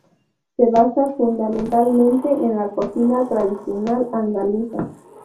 Se basa fundamentalmente en la cocina tradicional andaluza.